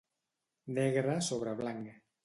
Negre sobre blanc.